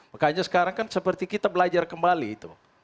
makanya sekarang kan seperti kita belajar kembali itu